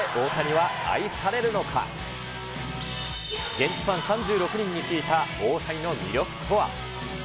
現地ファン３６人に聞いた、大谷の魅力とは。